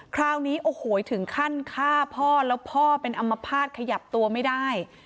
คราวนี้โอ้โหถึงขั้นฆ่าพ่อแล้วพ่อเป็นอัมพาตขยับตัวไม่ได้